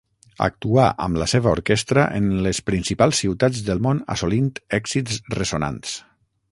Actuà amb la seva orquestra en les principals ciutats del món assolint èxits ressonants.